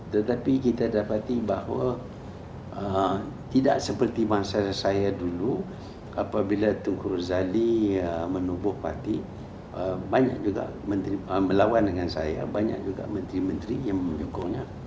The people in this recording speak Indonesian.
tetapi kita dapati bahwa tidak seperti masa saya dulu apabila tungkur zali menubuh pati banyak juga menteri melawan dengan saya banyak juga menteri menteri yang mendukungnya